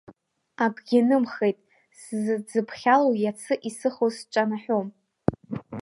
Акгьы нымхеит сзыдзыԥхьало, иацы исыхоз сҿанаҳәом.